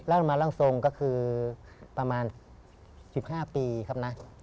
มาร่างทรงก็คือประมาณ๑๕ปีครับนะ